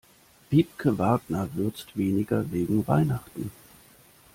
Wiebke Wagner würzt weniger wegen Weihnachten.